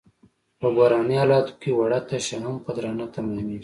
په بحراني حالاتو کې وړه تشه هم په درانه تمامېږي.